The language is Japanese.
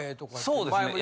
そうですね。